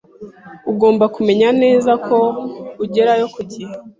Ugomba kumenya neza ko ugerayo ku gihe.